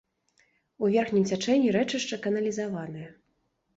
У верхнім цячэнні рэчышча каналізаванае.